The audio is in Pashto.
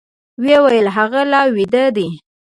وويل هغه لا ويده دی.